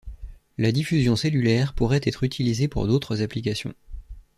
La diffusion cellulaire pourrait être utilisée pour d'autres applications.